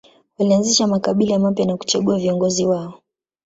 Walianzisha makabila mapya na kuchagua viongozi wao.